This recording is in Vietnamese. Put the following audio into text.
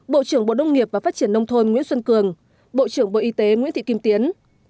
bộ trưởng bộ nông nghiệp và phát triển nông thôn nguyễn xuân cường bộ trưởng bộ y tế nguyễn thị kim tiến